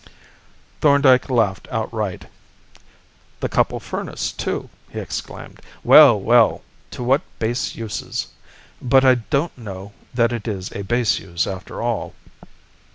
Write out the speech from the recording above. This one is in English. Thorndyke laughed outright. "The cupel furnace, too," he exclaimed. "Well, well, 'to what base uses' but I don't know that it is a base use after all.